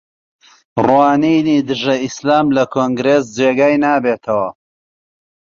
ڕوانینی دژە ئیسلام لە کۆنگرێس جێگای نابێتەوە